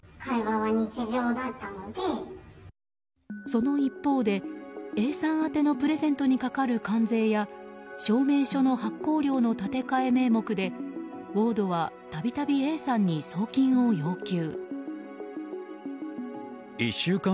その一方でＡさん宛てのプレゼントにかかる関税や証明書の発行料の立て替え名目でウォードは、たびたびＡさんに送金を要求。